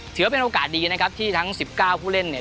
ถือว่าเป็นโอกาสดีนะครับที่ทั้ง๑๙ผู้เล่นเนี่ย